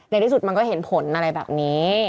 ในที่สุดมันก็เห็นผลอะไรแบบนี้